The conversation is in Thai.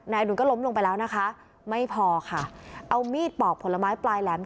อดุลก็ล้มลงไปแล้วนะคะไม่พอค่ะเอามีดปอกผลไม้ปลายแหลม